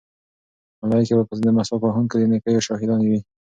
ملایکې به د مسواک وهونکي د نیکیو شاهدانې وي.